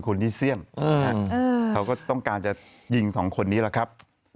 คุณยี่เซียมเขาก็ต้องการจะยิงสองคนนี้แหละครับ